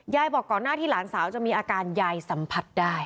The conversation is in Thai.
บอกก่อนหน้าที่หลานสาวจะมีอาการยายสัมผัสได้